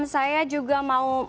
saya juga mau